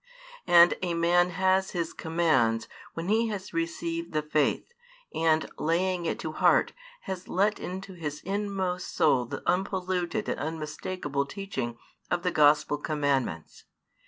And a man has His commands when he has received the faith, and, laying it to heart, has let into his inmost soul the unpolluted and unmistakeable teaching of the Gospel commandments.